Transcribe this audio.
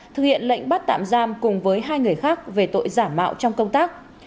thực hiện lệnh bắt tạm giam cùng với hai người khác về tội giả mạo trong công tác